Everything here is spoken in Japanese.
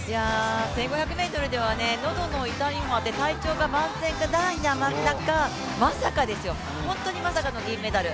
１５００ｍでは喉の痛みもあって体調が万全ではない中まさかですよ、本当にまさかの銀メダル。